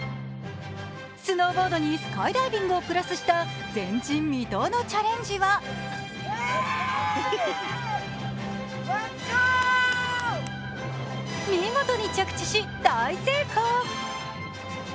スノーボードにスカイダイビングをプラスした前人未到のチャレンジは見事に着地し、大成功！